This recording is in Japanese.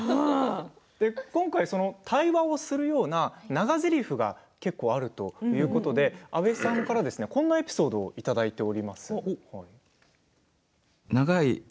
今回、対話をするような中せりふが結構あるということで阿部さんから、こんなエピソードをいただいています。